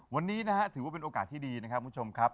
วันนี้นะฮะถือว่าเป็นโอกาสที่ดีนะครับคุณผู้ชมครับ